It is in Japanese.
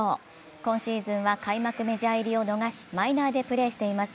今シーズンは開幕メジャー入りを逃しマイナーでプレーしています。